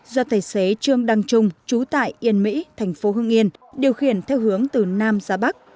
do tài xế trương đăng trung trú tại yên mỹ thành phố hưng yên điều khiển theo hướng từ nam ra bắc